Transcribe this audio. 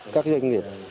các doanh nghiệp